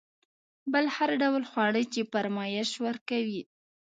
بل هر ډول خواړه چې فرمایش ورکوئ.